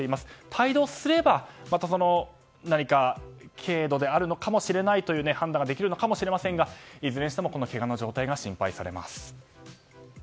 帯同すれば軽度であるのかもしれないという判断ができるのかもしれませんがいずれにしてもこのけがの状態が心配されます。